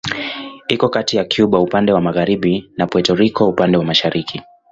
Iko kati ya Kuba upande wa magharibi na Puerto Rico upande wa mashariki.